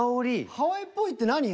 ハワイっぽいって何よ。